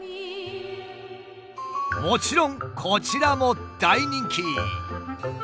もちろんこちらも大人気！